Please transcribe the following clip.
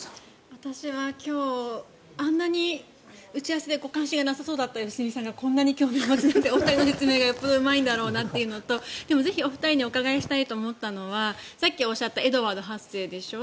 私は今日あんなに打ち合わせで関心がなさそうだった良純さんがこんなに興味を持たれていてお二人の説明がよほどうまいんだろうなというのとぜひお二人にお伺いしたいというのはさっきおっしゃったエドワード８世でしょ